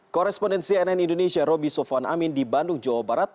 korespondensi ann indonesia roby sofwan amin di bandung jawa barat